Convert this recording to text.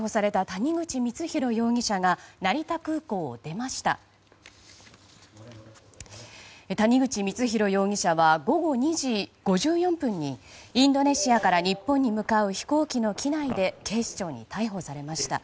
谷口光弘容疑者は午後２時５４分にインドネシアから日本に向かう飛行機の機内で警視庁に逮捕されました。